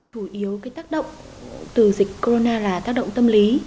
thủ yếu tác động từ dịch corona là tác động tâm lý